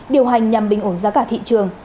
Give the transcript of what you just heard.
điều hành nhằm bình ổn giá cả thị trường